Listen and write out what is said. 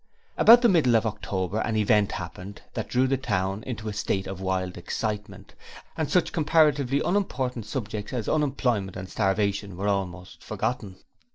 About the middle of October an event happened that drew the town into a state of wild excitement, and such comparatively unimportant subjects as unemployment and starvation were almost forgotten.